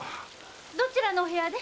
どちらのお部屋で？